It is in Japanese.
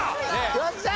よっしゃー！